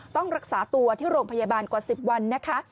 ต้องรักษาตัวที่โรงพยาบาลกว่า๑๐วันนะคะ